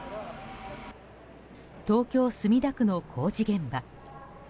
東京・墨田区の工事現場。